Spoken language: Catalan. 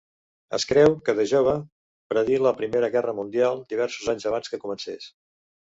Es creu que de jove predir la Primera Guerra Mundial, diversos anys abans que comencés.